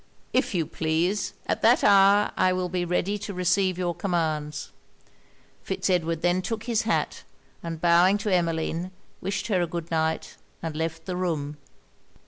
'If you please; at that hour I will be ready to receive your commands.' Fitz Edward then took his hat, and bowing to Emmeline, wished her a good night, and left the room.